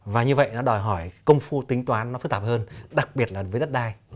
và như vậy nó đòi hỏi công phu tính toán nó phức tạp hơn đặc biệt là với đất đai